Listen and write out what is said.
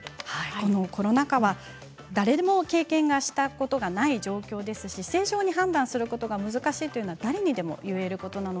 このコロナ禍誰も経験したことのない状況ですし正常に判断することが難しいのは誰にでも言えることです。